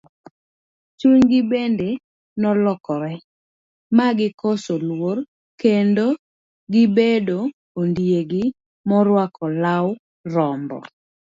Chunygi bende nolokore ma gikoso luor, kendo gibedo ondiegi moruako lau rambo.